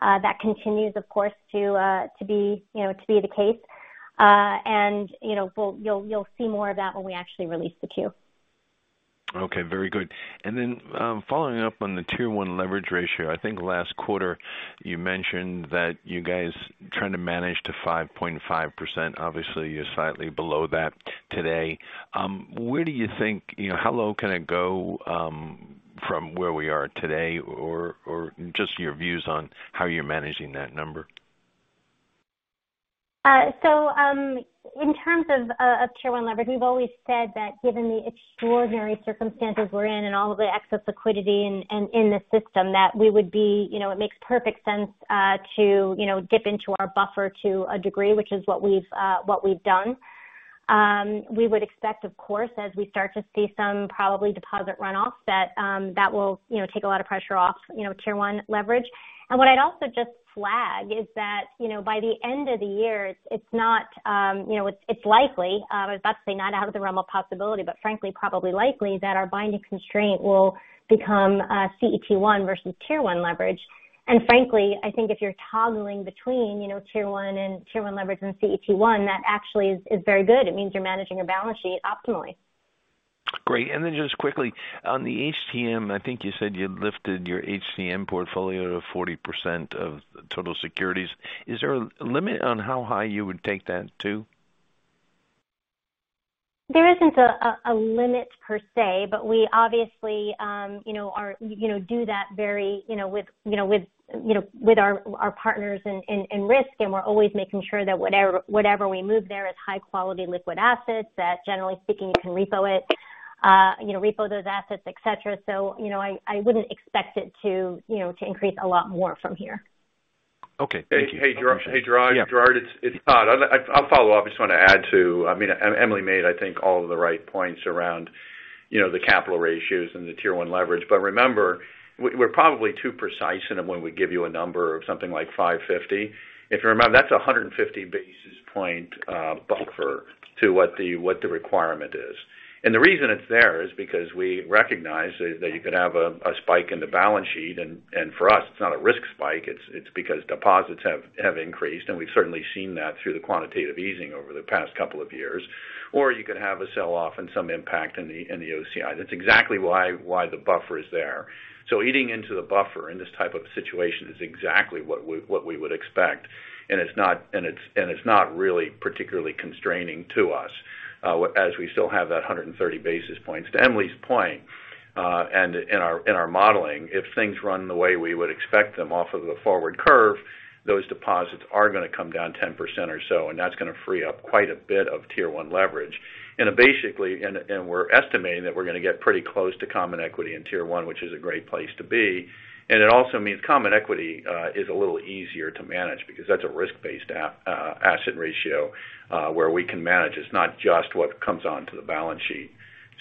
That continues of course to be the case. You know, you'll see more of that when we actually release the Q. Okay, very good. Following up on the Tier 1 leverage ratio, I think last quarter you mentioned that you guys trying to manage to 5.5%. Obviously, you're slightly below that today. Where do you think, you know, how low can it go from where we are today? Or just your views on how you're managing that number. In terms of Tier 1 leverage, we've always said that given the extraordinary circumstances we're in and all of the excess liquidity in the system, that we would be, you know, it makes perfect sense to, you know, dip into our buffer to a degree, which is what we've done. We would expect, of course, as we start to see some probably deposit runoff, that will, you know, take a lot of pressure off, you know, Tier 1 leverage. What I'd also just flag is that, you know, by the end of the year, it's likely, I was about to say not out of the realm of possibility, but frankly, probably likely that our binding constraint will become CET1 versus Tier 1 leverage. Frankly, I think if you're toggling between, you know, Tier 1 and Tier 1 leverage and CET1, that actually is very good. It means you're managing your balance sheet optimally. Great. Just quickly, on the HTM, I think you said you'd lifted your HTM portfolio to 40% of total securities. Is there a limit on how high you would take that to? There isn't a limit per se, but we obviously, you know, do that very with our partners in risk. We're always making sure that whatever we move there is high quality liquid assets that generally speaking, you can repo it, you know, repo those assets, et cetera. You know, I wouldn't expect it to, you know, to increase a lot more from here. Okay. Thank you. Hey, Gerard. Yeah. Gerard, it's Todd. I'll follow up. I just want to add to, I mean, Emily made, I think, all of the right points around, you know, the capital ratios and the Tier 1 leverage. Remember, we're probably too precise in it when we give you a number of something like 5.50. If you remember, that's 150 basis point buffer to what the requirement is. The reason it's there is because we recognize that you could have a spike in the balance sheet. For us, it's not a risk spike, it's because deposits have increased, and we've certainly seen that through the quantitative easing over the past couple of years. You could have a sell-off and some impact in the OCI. That's exactly why the buffer is there. Eating into the buffer in this type of situation is exactly what we would expect, and it's not really particularly constraining to us, as we still have that 130 basis points. To Emily's point, in our modeling, if things run the way we would expect them off of the forward curve, those deposits are gonna come down 10% or so, and that's gonna free up quite a bit of Tier 1 leverage. Basically, we're estimating that we're gonna get pretty close to common equity Tier 1, which is a great place to be. It also means common equity is a little easier to manage because that's a risk-based asset ratio where we can manage. It's not just what comes onto the balance sheet.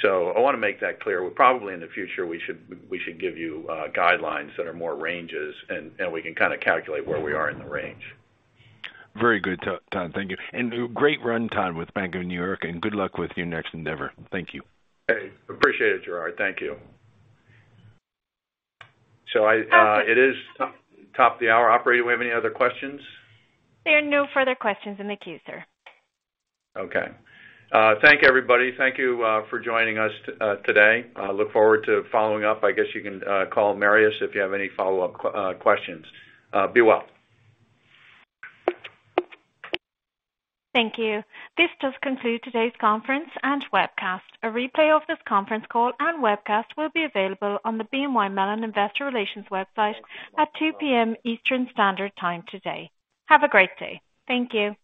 I wanna make that clear. Well, probably in the future, we should give you guidelines that are more ranges and we can kinda calculate where we are in the range. Very good, Todd. Thank you. Great run, Todd, with Bank of New York, and good luck with your next endeavor. Thank you. Hey, appreciate it, Gerard. Thank you. It is top of the hour. Operator, do we have any other questions? There are no further questions in the queue, sir. Okay. Thank you, everybody. Thank you for joining us today. I look forward to following up. I guess you can call Marius if you have any follow-up questions. Be well. Thank you. This does conclude today's conference and webcast. A replay of this conference call and webcast will be available on the BNY Mellon Investor Relations website at 2 P.M. Eastern Standard Time today. Have a great day. Thank you.